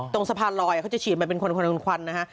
สะพานลอยเขาจะฉีดมาเป็นคนควันนะฮะ